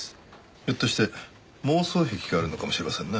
ひょっとして妄想癖があるのかもしれませんね。